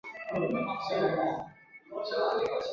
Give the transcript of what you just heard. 隶安庐滁和道。